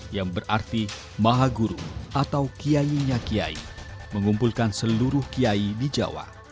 yang berarti maha guru atau kiainya kiai mengumpulkan seluruh kiai di jawa